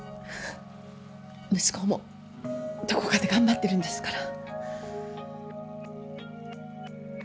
息子もどこかで頑張ってるんですから。